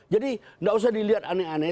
jadi tidak usah dilihat aneh aneh